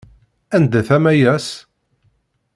Anda-t Amayas?